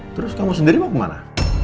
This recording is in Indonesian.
terus kamu sendiri mau kemana